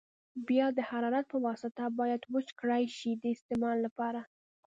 بیا د حرارت په واسطه باید وچ کړای شي د استعمال لپاره.